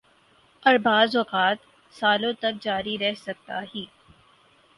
اوربعض اوقات سالوں تک جاری رہ سکتا ہی۔